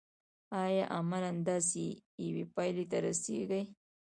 یا عملاً داسې یوې پایلې ته رسیږي.